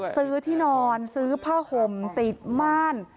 ซื้อที่นอนซื้อผ้าห่มติดม่าน